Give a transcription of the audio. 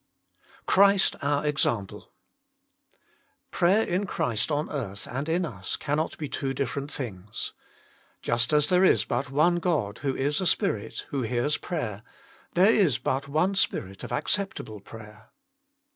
CHRIST OUR EXAMPLE. Prayer in Christ on earth and in us cannot be two different things. Just as there is but one God, who is a Spirit, who hears prayer, there is but one spirit of acceptable prayer.